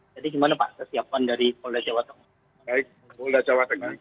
jadi bagaimana pak kesiapan dari polda jawa tengah